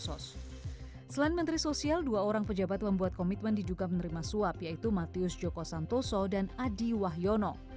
selain menteri sosial dua orang pejabat membuat komitmen diduga menerima suap yaitu matius joko santoso dan adi wahyono